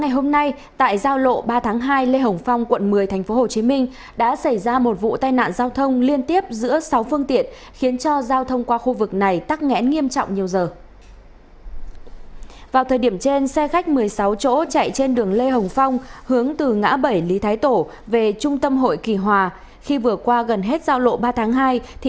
hãy đăng ký kênh để ủng hộ kênh của chúng mình nhé